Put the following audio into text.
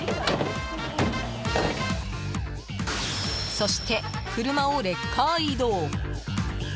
そして車をレッカー移動。